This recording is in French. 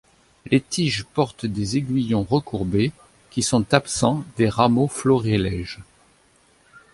Les tiges portent des aiguillons recourbés, qui sont absents des rameaux florilèges.